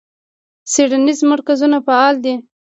څیړنیز مرکزونه فعال دي.